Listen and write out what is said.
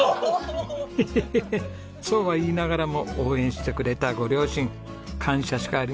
ヘヘヘヘそうは言いながらも応援してくれたご両親感謝しかありませんね。